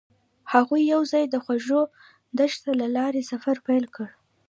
هغوی یوځای د خوږ دښته له لارې سفر پیل کړ.